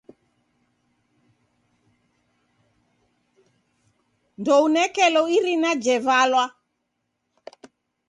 Ndounekelo irina jevalwa.